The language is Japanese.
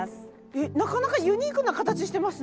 えっなかなかユニークな形してますね。